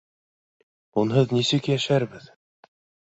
Унһыҙ нисек йәшәрбеҙ?!